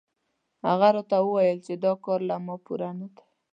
هغه راته وویل چې دا کار له ما پوره نه دی.